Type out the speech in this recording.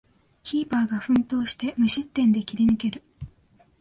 キーパーが奮闘して無失点で切り抜ける